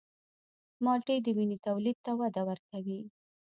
مالټې د وینې تولید ته وده ورکوي.